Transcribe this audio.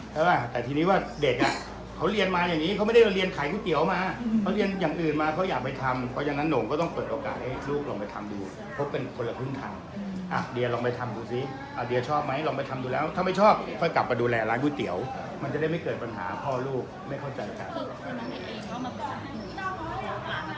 ใช่ป่ะแต่ทีนี้ว่าเด็กอ่ะเขาเรียนมาอย่างนี้เขาไม่ได้เรียนขายก๋วยเตี๋ยวมาเขาเรียนอย่างอื่นมาเขาอยากไปทำเพราะฉะนั้นโหน่งก็ต้องเปิดโอกาสให้ลูกลองไปทำดูเพราะเป็นคนละครึ่งทางอ่ะเดียลองไปทำดูสิเดียชอบไหมลองไปทำดูแล้วถ้าไม่ชอบค่อยกลับมาดูแลร้านก๋วยเตี๋ยวมันจะได้ไม่เกิดปัญหาพ่อลูกไม่เข้าใจกัน